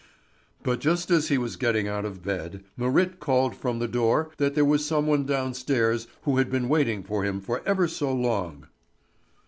But just as he was getting out of bed, Marit called from the door that there was some one downstairs who had been waiting for him for ever so long.